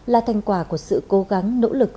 là thành quả của sự cố gắng nỗ lực